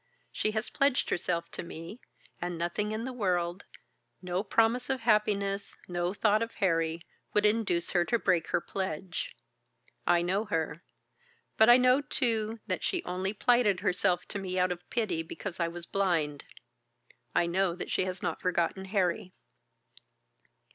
"She has pledged herself to me, and nothing in the world, no promise of happiness, no thought of Harry, would induce her to break her pledge. I know her. But I know too that she only plighted herself to me out of pity, because I was blind. I know that she has not forgotten Harry."